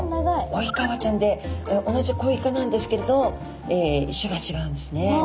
オイカワちゃんで同じコイ科なんですけれど種がちがうんですね。